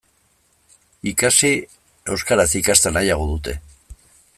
Ikasi, euskaraz ikastea nahiago dute.